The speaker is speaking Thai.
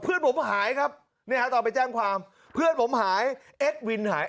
เพื่อนผมหายครับเนี่ยฮะตอนไปแจ้งความเพื่อนผมหายเอ็กวินหาย